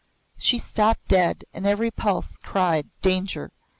She stopped dead and every pulse cried Danger!